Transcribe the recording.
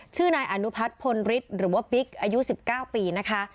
ชื่อนายอนุพัฒน์พลฤทธิ์หรือว่าปิ๊กอายุ๑๙ปีนะคะ